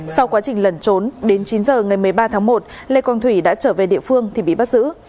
sau quá trình lẩn trốn đến chín giờ ngày một mươi ba tháng một lê quang thủy đã trở về địa phương thì bị bắt giữ